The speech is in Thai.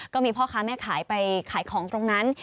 ก็มีพ่อค้าแม่ขายไปขายของตรงนั้น